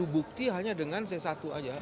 bukti hanya dengan c satu aja